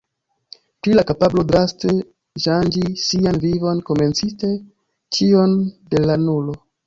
Pri la kapablo draste ŝanĝi sian vivon, komencinte ĉion de la nulo.